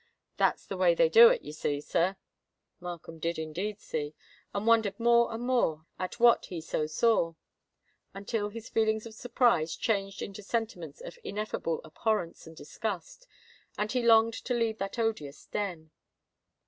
That's the way they do it, you see, sir." Markham did indeed see, and wondered more and more at what he so saw—until his feelings of surprise changed into sentiments of ineffable abhorrence and disgust; and he longed to leave that odious den.